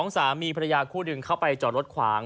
สามีภรรยาคู่หนึ่งเข้าไปจอดรถขวาง